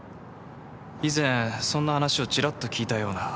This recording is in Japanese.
以前そんな話をちらっと聞いたような。